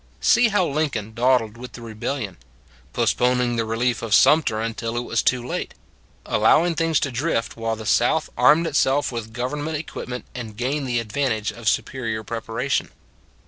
See how Lincoln dawdled with the rebel lion: postponing the relief of Sumter un til it was too late; allowing things to drift while the South armed itself with govern ment equipment and gained the advantage of superior preparation.